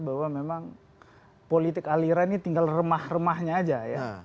bahwa memang politik aliran ini tinggal remah remahnya aja ya